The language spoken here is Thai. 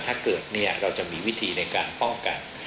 ถ้าเกิดเราจะมีวิธีในการป้องกัน